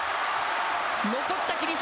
残った霧島。